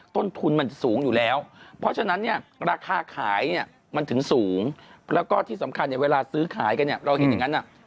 ต้นทุนมันจะสูงอยู่แล้วเพราะฉะนั้นเนี่ยราคาขายเนี่ยมันถึงสูงแล้วก็ที่สำคัญเนี่ยเวลาซื้อขายกันเนี่ยเราเห็นอย่างนั้น